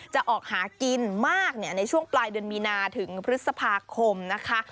จะออกหากินมากในช่วงปลายเดือนมีนาถึงพฤษภาคมนะคะ